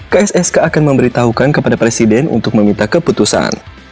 kssk akan memberitahukan kepada presiden untuk meminta keputusan